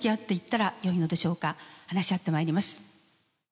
話し合ってまいります。